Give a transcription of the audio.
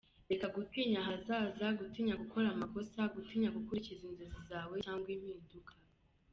Reka gutinya ahazaza, gutinya gukora amakosa, gutinya gukurikira inzozi zawe cyangwa impinduka.